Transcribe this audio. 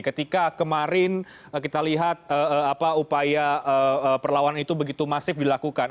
ketika kemarin kita lihat upaya perlawan itu begitu masif dilakukan